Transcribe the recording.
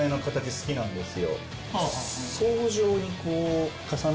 大好きなんです。